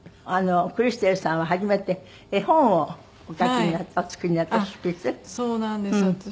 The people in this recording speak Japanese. クリステルさんは初めて絵本をお書きにお作りになって。